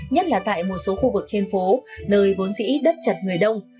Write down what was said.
nhất là tại một số khu vực trên phố nơi vốn dĩ đất chật người đông